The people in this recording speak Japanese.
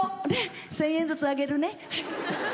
１０００円ずつあげるね。